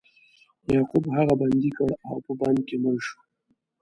یعقوب هغه بندي کړ او په بند کې مړ شو.